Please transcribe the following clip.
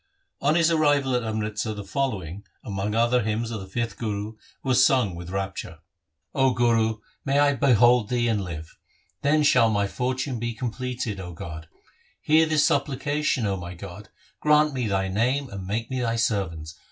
On his arrival in Amritsar the following, among other hymns of the fifth Guru, was sung with rapture :— 0 Guru, may I behold Thee and live, Then shall my fortune be completed, O God ! 1 Hear this supplication, O my God ; Grant me Thy name and make me Thy servant.